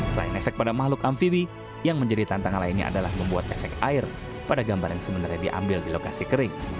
selain efek pada makhluk amfibi yang menjadi tantangan lainnya adalah membuat efek air pada gambar yang sebenarnya diambil di lokasi kering